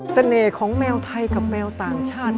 เสน่ห์ของแมวไทยกับแมวต่างชาติ